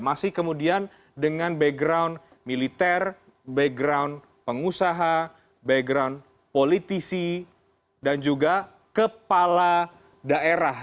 masih kemudian dengan background militer background pengusaha background politisi dan juga kepala daerah